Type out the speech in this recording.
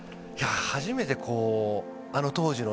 初めてあの当時の。